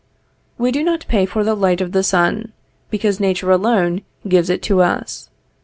We do not pay for the light of the sun, because Nature alone gives it to us.